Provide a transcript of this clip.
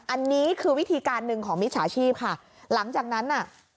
อันนี้คือวิธีการหนึ่งของมิจฉาชีพค่ะหลังจากนั้นน่ะ